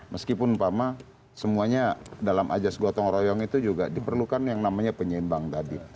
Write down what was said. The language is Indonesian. meskipun umpama semuanya dalam ajas gotong royong itu juga diperlukan yang namanya penyeimbang tadi